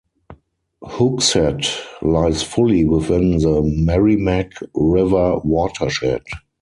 Hooksett lies fully within the Merrimack River watershed.